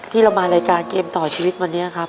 ที่เรามารายการเกมต่อชีวิตวันนี้ครับ